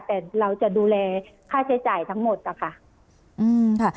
แต่เราจะดูแลค่าใช้จ่ายทั้งหมดนะคะ